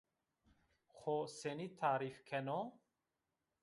Xo senî tarîf keno?